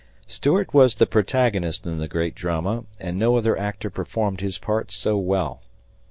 Stuart was the protagonist in the great drama, and no other actor performed his part so well.